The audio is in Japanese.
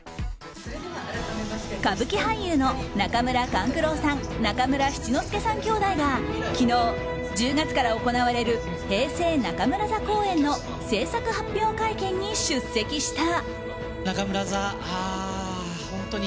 歌舞伎俳優の中村勘九郎さん中村七之助さん兄弟が昨日、１０月から行われる「平成中村座」公演の製作発表会見に出席した。